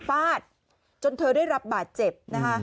ฟาดจนเธอได้รับบาดเจ็บนะคะ